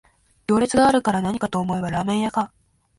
行列があるからなにかと思えばラーメン屋か